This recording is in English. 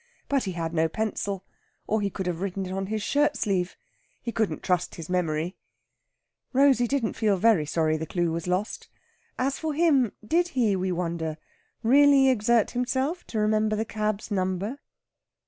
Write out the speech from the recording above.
But he had no pencil, or he could have written it on his shirt sleeve. He couldn't trust his memory. Rosalind didn't feel very sorry the clue was lost. As for him, did he, we wonder, really exert himself to remember the cab's number?